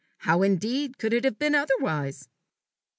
How indeed could it have been otherwise!